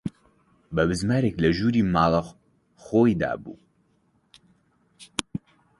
بە بزمارێک لە ژووری ماڵە خۆی دابوو